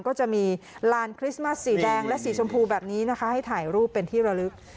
ก็จะมีลานคริสต์มัสสีแดงและสีชมพูแบบนี้นะคะให้ถ่ายรูปเป็นที่ระลึก